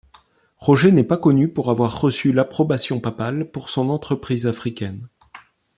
Roger n'est pas connu pour avoir reçu l'approbation papale pour son entreprise africaine.